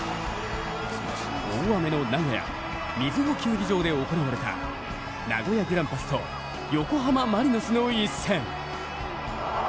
大雨の名古屋瑞穂球技場で行われた名古屋グランパスと横浜マリノスの一戦。